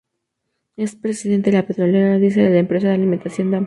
Es presidente de la petrolera Disa y de la empresa de alimentación Damm.